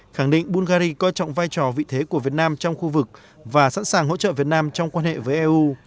khẳng định bungary coi trọng vai trò vị thế của việt nam trong khu vực và sẵn sàng hỗ trợ việt nam trong quan hệ với eu